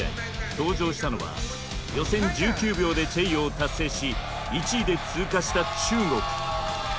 登場したのは予選１９秒でチェイヨーを達成し１位で通過した中国。